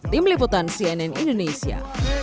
tim liputan cnn indonesia